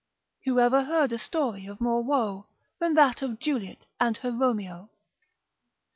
Whoever heard a story of more woe, Than that of Juliet and her Romeo?